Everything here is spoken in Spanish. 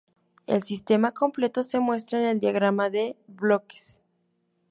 El sistema completo se muestra en el diagrama de bloques.